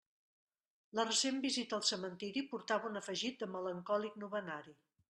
La recent visita al cementeri portava un afegit de melancòlic novenari.